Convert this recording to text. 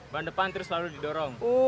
ban depan terus selalu didorong